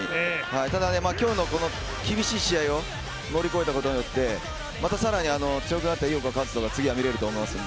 ただ今日のこの厳しい試合を乗り越えたことによって、また更に強くなった井岡一翔が次は見れると思いますので。